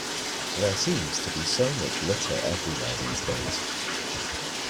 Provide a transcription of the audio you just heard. There seems to be so much litter everywhere these days